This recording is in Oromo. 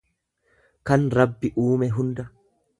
kan Rabbi uume hunda.